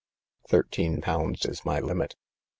Thirteen pounds is my limit."